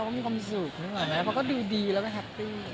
ก็มีความสุขดูดีแล้วมาก